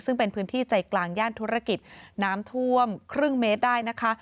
ซึ่งเป็นพื้นที่ใจกลางย่านธุรกิจน้ำท่วมครึ่งเมตรได้นะคะ